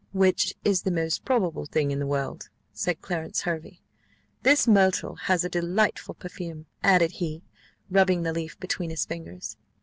"Which is the most probable thing in the world," said Clarence Hervey. "This myrtle has a delightful perfume," added he, rubbing the leaf between his fingers.